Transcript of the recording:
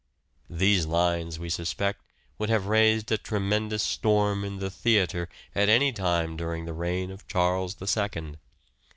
These lines, we suspect, would have raised a tre mendous storm in the theatre at any time during the reign of Charles the Second.